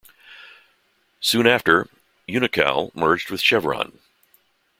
Soon after, Unocal merged with Chevron.